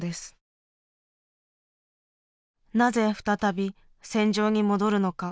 なぜ再び戦場に戻るのか。